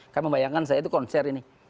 kan membayangkan saya itu konser ini